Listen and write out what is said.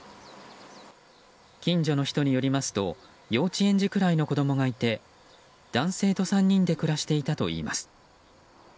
近所の人によりますと幼稚園児ぐらいの子供がいて男性と３人で暮らしていたといいます。